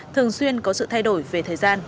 thường xuyên có sự thay đổi về thời gian